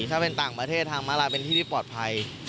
ถ้าเป็นต่างประเทศทางมาลายเป็นที่ที่ปลอดภัย